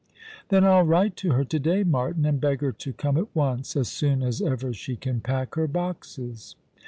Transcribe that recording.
"Then I'll write to her to day, Martin, and beg her to come at once — as soon as ever she can pack her boxes."